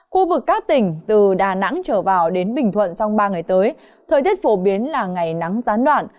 khu vực các tỉnh từ đà nẵng trở vào đến bình thuận trong ba ngày tới thời tiết phổ biến là ngày nắng gián đoạn